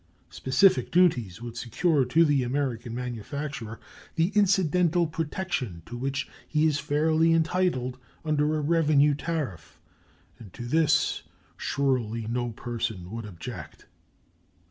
Specific duties would secure to the American manufacturer the incidental protection to which he is fairly entitled under a revenue tariff, and to this surely no person would object.